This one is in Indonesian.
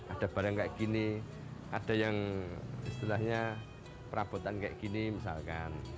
ada barang kayak gini ada yang istilahnya perabotan kayak gini misalkan